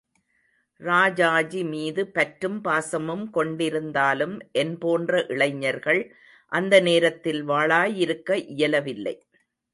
ராஜாஜி மீது பற்றும் பாசமும் கொண்டி ருந்தாலும் என் போன்ற இளைஞர்கள் அந்த நேரத்தில் வாளாயிருக்க இயலவில்லை.